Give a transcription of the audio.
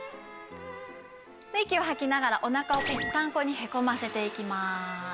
で息を吐きながらお腹をぺったんこにへこませていきます。